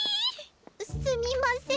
すみません。